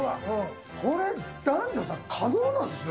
これ檀上さん可能なんですね